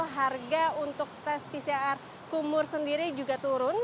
harga untuk tes pcr kumur sendiri juga turun